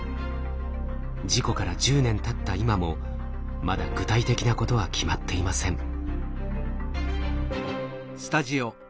事故から１０年たった今もまだ具体的なことは決まっていません。